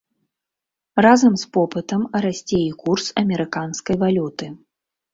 Разам з попытам расце і курс амерыканскай валюты.